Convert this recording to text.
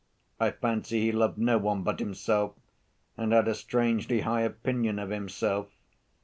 I fancy he loved no one but himself and had a strangely high opinion of himself.